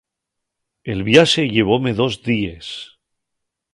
El viaxe llevóme dos díes.